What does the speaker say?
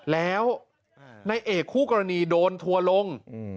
แล้วในเอกคู่กรณีโดนทัวร์ลง